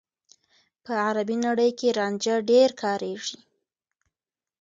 په عربي نړۍ کې رانجه ډېر کارېږي.